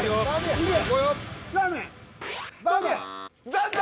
残念！